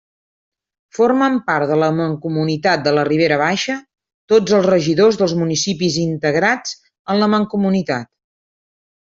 Formen part de la Mancomunitat de la Ribera Baixa tots els regidors dels municipis integrats en la Mancomunitat.